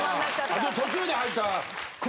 あと途中で入った。